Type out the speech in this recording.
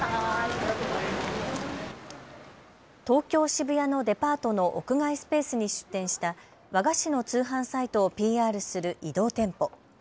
渋谷のデパートの屋外スペースに出店した和菓子の通販サイトをＰＲする移動店舗。